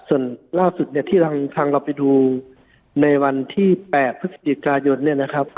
ส่วนล่าสุดเนี่ยที่ทางเราไปดูในวันที่๘พฤศจิกายนเนี่ยนะครับ